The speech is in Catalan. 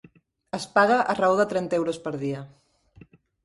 Es paga a raó de trenta euros per dia.